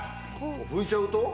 拭いちゃうと？